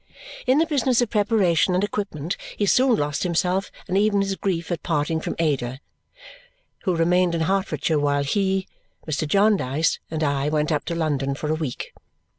In the business of preparation and equipment he soon lost himself, and even his grief at parting from Ada, who remained in Hertfordshire while he, Mr. Jarndyce, and I went up to London for a week.